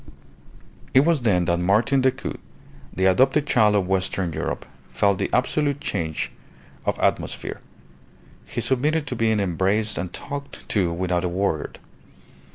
It was then that Martin Decoud, the adopted child of Western Europe, felt the absolute change of atmosphere. He submitted to being embraced and talked to without a word.